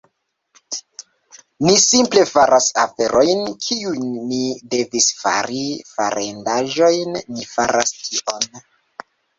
Ni simple faras aferojn, kiujn ni devis fari; farendaĵojn - Ni faras tion